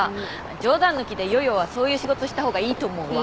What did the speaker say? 冗談抜きで夜々はそういう仕事した方がいいと思うわ。